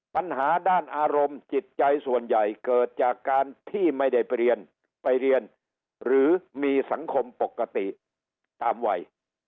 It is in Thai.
ปัญหาด้านอารมณ์จิตใจส่วนใหญ่เกิดจากการที่ไม่ได้ไปเรียนไปเรียนหรือมีสังคมปกติตามวัย